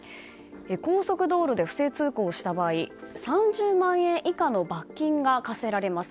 高速道路で不正通行をした場合３０万円以下の罰金が科せられます。